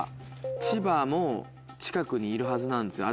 千葉も近くにいるはずなんですよ。